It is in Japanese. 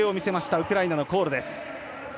ウクライナのコールです。